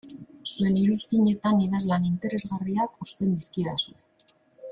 Zuen iruzkinetan idazlan interesgarriak uzten dizkidazue.